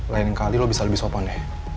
lain kali lo bisa lebih sopan deh